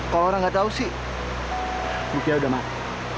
kalau orang nggak tahu sih rupiah udah mati